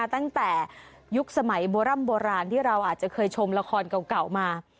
ตั้งแต่ยุคสมัยโบร่ำโบราณที่เราอาจจะเคยชมละครเก่ามา